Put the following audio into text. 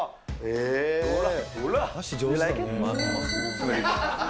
ほら。